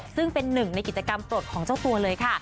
ซึ่งเป็นหนึ่งในกิจกรรมปลดของเจ้าตัวเลยค่ะ